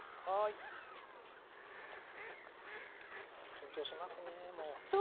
緊張しますねもう。